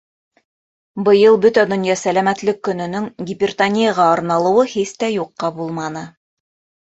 Быйыл Бөтә донъя сәләмәтлек көнөнөң гипертонияға арналыуы һис тә юҡҡа булманы.